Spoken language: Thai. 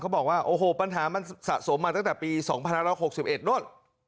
บอกว่าโอ้โหปัญหามันสะสมมาตั้งแต่ปี๒๑๖๑นู่น